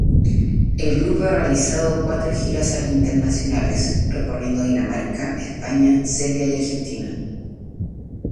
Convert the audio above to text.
El grupo ha realizado cuatro giras al internacionales, recorriendo Dinamarca, España, Serbia y Argentina.